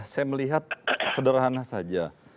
saya melihat sederhana saja